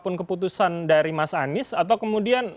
apakah keputusan dari mas anis atau kemudian